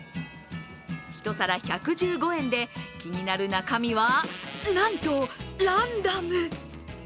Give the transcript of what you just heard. １皿１１５円で気になる中身は、なんとランダム！